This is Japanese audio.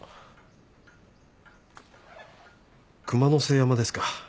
熊之背山ですか。